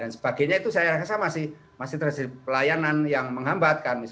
sebagainya itu saya rasa masih terjadi pelayanan yang menghambatkan